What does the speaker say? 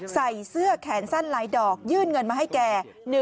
ใส่เสื้อแขนสั้นหลายดอกยื่นเงินมาให้แก